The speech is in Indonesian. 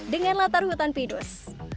dengan latar hutan pinus